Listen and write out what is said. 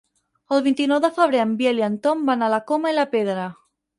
El vint-i-nou de febrer en Biel i en Tom van a la Coma i la Pedra.